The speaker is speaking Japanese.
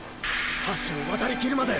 橋を渡りきるまで！